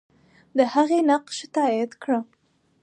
د هغې نقش تایید کړه.